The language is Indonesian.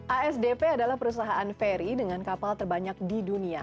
asdp adalah perusahaan feri dengan kapal terbanyak di dunia